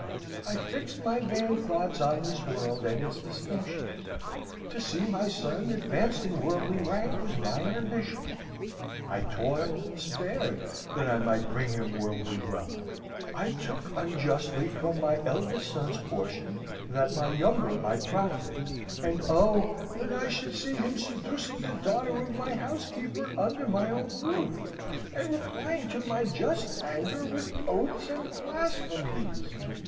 I fixed my vain thoughts on this world, and its distinctions. To see my son advanced in worldly rank was my ambition. I toiled, and spared, that I might bring him worldly wealth. I took unjustly from my eldest son's portion, that my younger might profit. And oh! that I should see him seducing the daughter of my own housekeeper under my own roof, and replying to my just anger with oaths and blasphemies!'